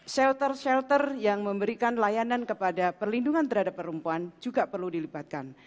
shelter shelter yang memberikan layanan kepada perlindungan terhadap perempuan juga perlu dilibatkan